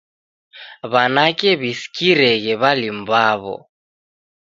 W'anake w'isikireghe w'alimu w'aw'o